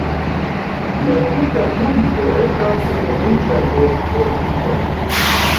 La tuta ponto estas kovrita de portiko.